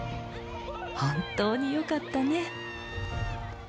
本当によかったね。